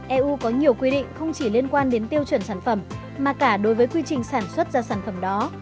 eu có nhiều quy định không chỉ liên quan đến tiêu chuẩn sản phẩm mà cả đối với quy trình sản xuất ra sản phẩm đó